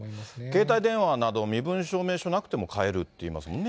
携帯電話など、身分証明書なくても買えるっていいますもんね。